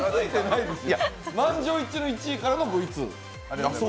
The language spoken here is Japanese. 満場一致の１位からのＶ２。